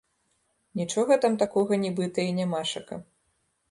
Нічога там такога нібыта і нямашака.